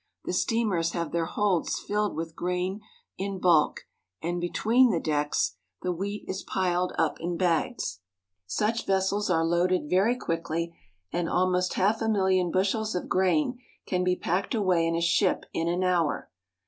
The steamers have their holds filled with grain in bulk, and between the decks JO NEW YORK. the wheat is piled up in bags. Such vessels are loaded very quickly, and almost half a million bushels of grain can be packed away in a ship in an hour.